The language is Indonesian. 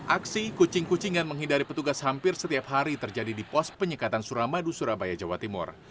aksi kucing kucingan menghindari petugas hampir setiap hari terjadi di pos penyekatan suramadu surabaya jawa timur